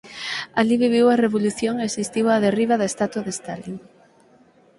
Alí viviu a revolución e asistiu á derriba da estatua de Stalin.